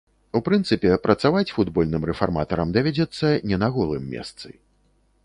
У прынцыпе, працаваць футбольным рэфарматарам давядзецца не на голым месцы.